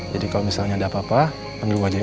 jadi kalau misalnya ada apa apa panggil gue aja ya